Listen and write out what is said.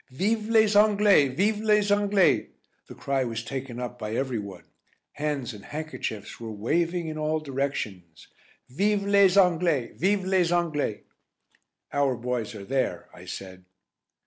"Vive les Anglais! Vive les Anglais!" The cry was taken up by every one. Hands and handkerchiefs were waving in all directions. "Vive les Anglais! Vive les Anglais!" "Our boys are there," I said.